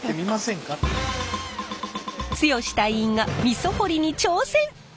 剛隊員が味噌掘りに挑戦！